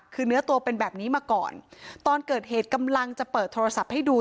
คือเนื้อตัวเป็นแบบนี้มาก่อนตอนเกิดเหตุกำลังจะเปิดโทรศัพท์ให้ดู